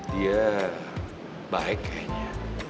dia baik kayaknya